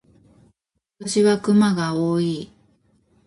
今年は熊が多い。